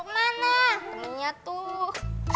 mana temennya tuh